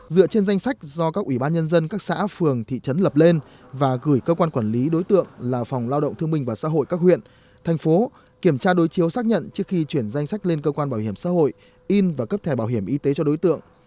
dựa trên danh sách do các ủy ban nhân dân các xã phường thị trấn lập lên và gửi cơ quan quản lý đối tượng là phòng lao động thương minh và xã hội các huyện thành phố kiểm tra đối chiếu xác nhận trước khi chuyển danh sách lên cơ quan bảo hiểm xã hội in và cấp thẻ bảo hiểm y tế cho đối tượng